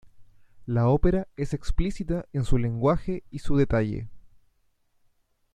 La ópera es explícita en su lenguaje y su detalle.